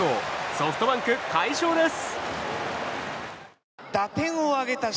ソフトバンク、快勝です。